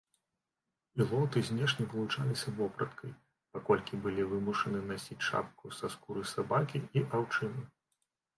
Ілоты знешне вылучаліся вопраткай, паколькі былі вымушаны насіць шапку са скуры сабакі і аўчыну.